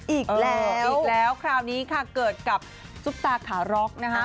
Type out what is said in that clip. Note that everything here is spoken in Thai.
อีกแล้วอีกแล้วคราวนี้ค่ะเกิดกับซุปตาขาร็อกนะคะ